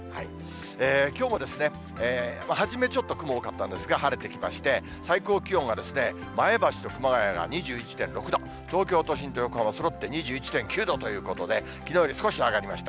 きょうも初めちょっと雲多かったんですが、晴れてきまして、最高気温が前橋と熊谷が２１．６度、東京都心と横浜、そろって２１．９度ということで、きのうより少し上がりました。